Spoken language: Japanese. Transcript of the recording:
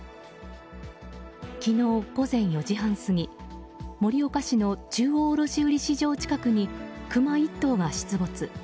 昨日午前４時半過ぎ盛岡市の中央卸市場近くにクマ１頭が出没。